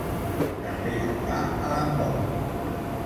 També jugà a Handbol.